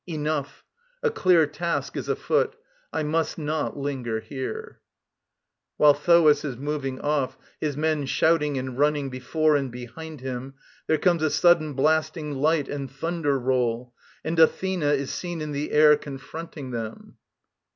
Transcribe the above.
Enough. A clear Task is afoot. I must not linger here. [While THOAS is moving off, his men shouting and running before and behind him, there comes a sudden blasting light and thunder roll, and ATHENA is seen in the air confronting them.